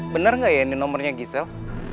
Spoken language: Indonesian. bener gak ya ini nomernya gisel